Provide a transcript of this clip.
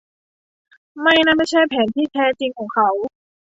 ไม่นั่นไม่ใช่แผนที่แท้จริงของเขา